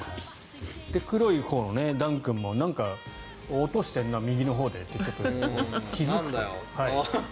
黒いほうのダン君もなんか音がしてるな右のほうでって。